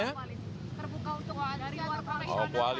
terbuka untuk kualisi atau terbuka untuk komisi